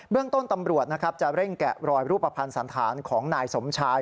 เรื่องต้นตำรวจนะครับจะเร่งแกะรอยรูปภัณฑ์สันธารของนายสมชาย